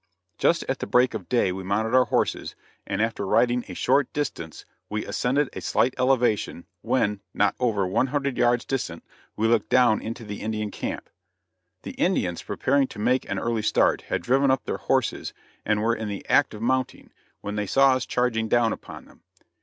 Just at break of day we mounted our horses, and after riding a short distance we ascended a slight elevation, when, not over one hundred yards distant, we looked down into the Indian camp. The Indians, preparing to make an early start, had driven up their horses and were in the act of mounting, when they saw us charging down upon them.